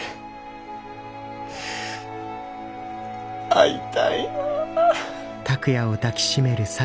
会いたいなあ。